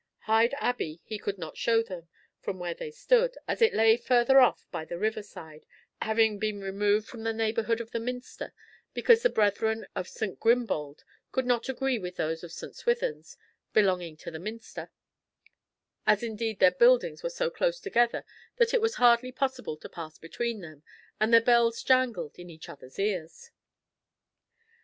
Hyde Abbey he could not show them, from where they stood, as it lay further off by the river side, having been removed from the neighbourhood of the Minster, because the brethren of St. Grimbald could not agree with those of St. Swithun's belonging to the Minster, as indeed their buildings were so close together that it was hardly possible to pass between them, and their bells jangled in each other's ears.